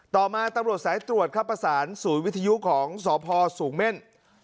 ต่อมาตำรวจสายตรวจครับประสานศูนย์วิทยุของสพสูงเม่น